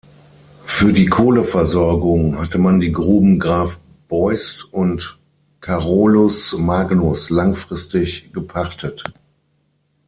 Für die Kohleversorgung hatte man die Gruben Graf Beust und Carolus Magnus langfristig gepachtet.